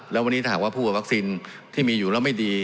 แล้ววันนี้ถ้าหากว่าผู้กับวัคซีนที่มีอยู่แล้วไม่ดี